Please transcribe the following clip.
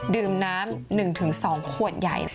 ดื่มน้ำ๑๒ขวดใหญ่